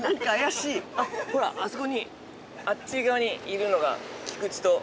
あっほらあそこにあっち側にいるのが菊池と。